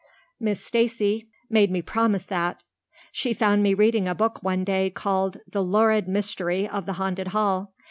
Miss Stacy made me promise that. She found me reading a book one day called, The Lurid Mystery of the Haunted Hall.